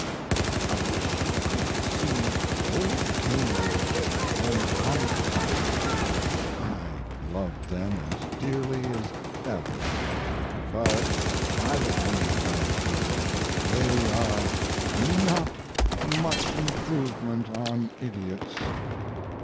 I wish you could see old Cambridge and Ponkapog. I love them as dearly as ever, but privately, my dear, they are not much improvement on idiots.